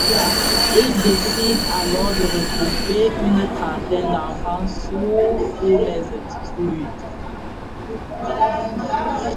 Il décide alors de regrouper une trentaine d'enfants sourds pour les instruire.